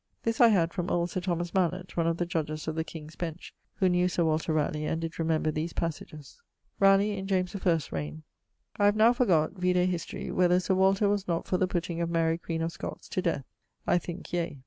This I had from old Sir Thomas Malett, one of the Judges of the King's Bench, who knew Sir Walter Ralegh, and did remember these passages. <_Raleigh in James I's reign._> I have now forgott (vide History) whether Sir Walter was not for the putting of Mary, queen of Scotts, to death; I thinke, yea.